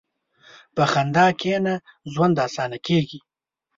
په خندا کښېنه، ژوند اسانه کېږي.